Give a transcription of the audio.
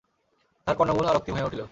তাহার কর্ণমূল আরক্তিম হইয়া উঠিল।